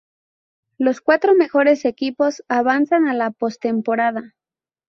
Los cuatro mejores equipos avanzan a la postemporada.